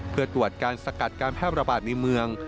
เพื่อตรวจการสกัดการแพร่ระบาดในเมือง